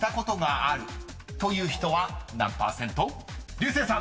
［竜星さん］